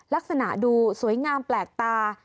ลักษณะดูสวยงามแปลกตา